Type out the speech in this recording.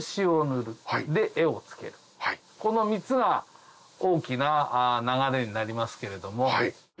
この３つが大きな流れになりますけれども。